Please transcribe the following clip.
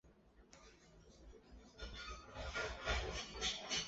始建于清朝。